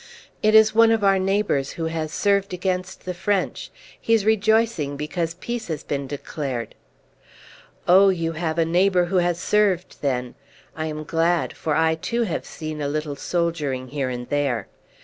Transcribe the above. "It is one of our neighbours who has served against the French. He is rejoicing because peace has been declared." "Oh, you have a neighbour who has served then! I am glad; for I, too, have seen a little soldiering here and there."